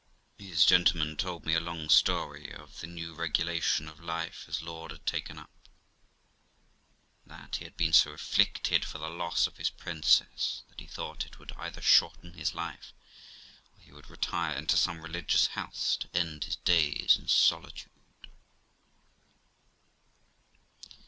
His gentleman told me a long story of the new regulation of life his lord had taken up ; and that he had been so afflicted for the loss of his princess that he thought it would either shorten his life or he would retire into some religious house, to end his days in solitude.